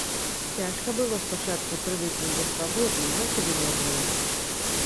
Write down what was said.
Цяжка было спачатку прывыкнуць да свабоды, як і да няволі.